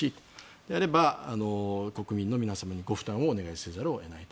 であれば、国民の皆さんにご負担をお願いせざるを得ないと。